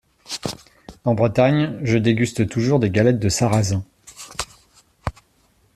En Bretagne, je déguste toujours des galettes de sarrasin.